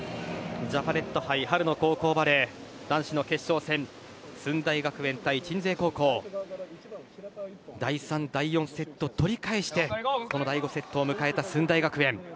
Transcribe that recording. ジャパネット杯春の高校バレー男子の決勝戦駿台学園対鎮西高校第３、第４セットを取り返してこの第５セットを迎えた駿台学園。